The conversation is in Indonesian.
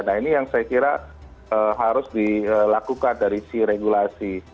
nah ini yang saya kira harus dilakukan dari si regulasi